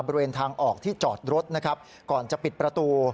บริเวณทางออกที่จอดรถนะครับก่อนจะปิดประตู